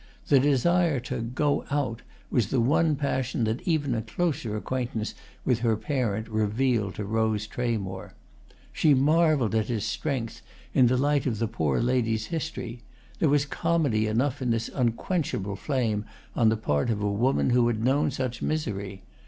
The desire to "go out" was the one passion that even a closer acquaintance with her parent revealed to Rose Tramore. She marvelled at its strength, in the light of the poor lady's history: there was comedy enough in this unquenchable flame on the part of a woman who had known such misery.